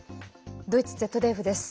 ドイツＺＤＦです。